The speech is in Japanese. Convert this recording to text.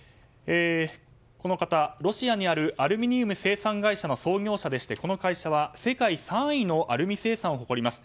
この方、ロシアにあるアルミニウム生産会社の創業者で、この会社は世界３位のアルミ生産を誇ります。